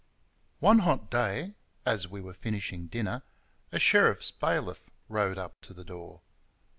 One hot day, as we were finishing dinner, a sheriff's bailiff rode up to the door.